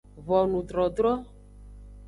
Vonudrodro.